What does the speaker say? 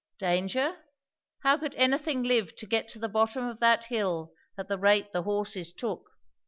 Danger? how could anything live to get to the bottom of that hill at the rate the horses took?